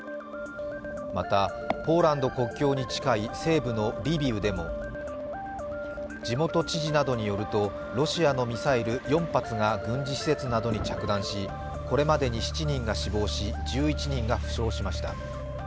また、ポーランド国境に近い西部のリビウでも地元知事などによると、ロシアのミサイル４発が軍事施設などに着弾しこれまでに７人が死亡し１１人が負傷しました。